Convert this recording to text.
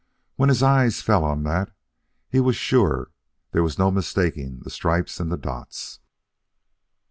When his eyes fell on that, he was sure; there was no mistaking the stripes and the dots.